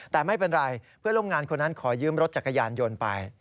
แต่ไม่เป็นไรเพื่อนร่วมงานคนนั้นขอยืมรถจักรยานยนต์ไป